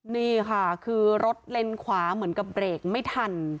นี่ค่ะคือรถเลนขวาเหมือนกับเบรกไม่ทัน